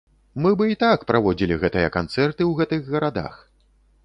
Мы бы і так праводзілі гэтыя канцэрты ў гэтых гарадах!